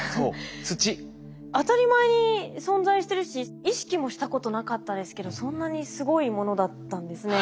当たり前に存在してるし意識もしたことなかったですけどそんなにすごいものだったんですね。